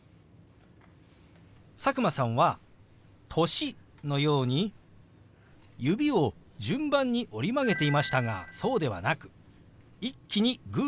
佐久間さんは「歳」のように指を順番に折り曲げていましたがそうではなく一気にグーの形にするんです。